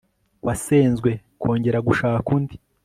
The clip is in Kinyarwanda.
wasenzwe kongera gushaka undi